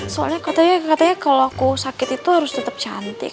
soalnya katanya katanya kalo aku sakit itu harus tetep cantik